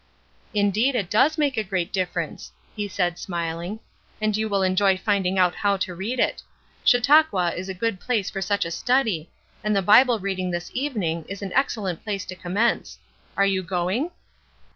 "Indeed it does make great difference," he said, smiling, "and you will enjoy finding out how to read it. Chautauqua is a good place for such a study, and the Bible reading this evening is an excellent place to commence. Are you going?"